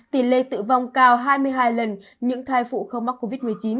tỷ lệ tử vong cao hai mươi hai lần những thai phụ không mắc covid một mươi chín